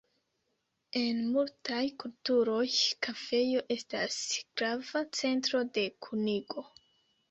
En multaj kulturoj kafejo estas grava centro de kunigo.